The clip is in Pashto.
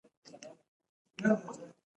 د ترتیب کال یې یو زر درې سوه نهه ویشت ښودل شوی.